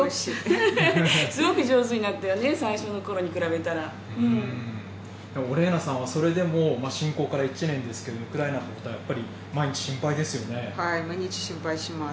すごく上手になったよね、最オレーナさんはそれでも、侵攻から１年ですけれども、ウクライナのことはやっぱり毎日心配ではい、毎日心配します。